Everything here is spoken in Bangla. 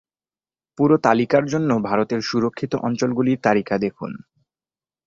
পুরো তালিকার জন্য, ভারতের সুরক্ষিত অঞ্চলগুলির তালিকা দেখুন।